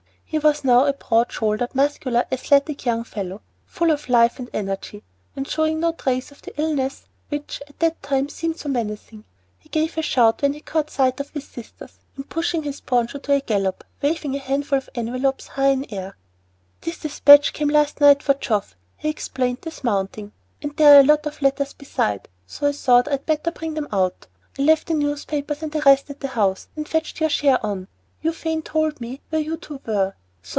He was now a broad shouldered, muscular, athletic young fellow, full of life and energy, and showing no trace of the illness which at that time seemed so menacing. He gave a shout when he caught sight of his sisters, and pushed his broncho to a gallop, waving a handful of envelopes high in air. "This despatch came last night for Geoff," he explained, dismounting, "and there were a lot of letters besides, so I thought I'd better bring them out. I left the newspapers and the rest at the house, and fetched your share on. Euphane told me where you two were.